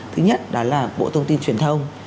thứ nhất đó là bộ thông tin truyền thông